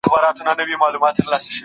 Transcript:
چېري د پخلایني کمیسیونونه جوړیږي؟